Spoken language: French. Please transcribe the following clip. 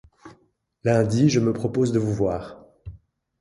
Lundi, je me propose de vous voir.